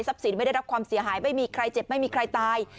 สินไม่ได้รับความเสียหายไม่มีใครเจ็บไม่มีใครตาย